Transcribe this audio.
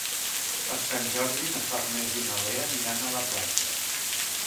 Per Sant Jordi na Farners i na Lea aniran a la platja.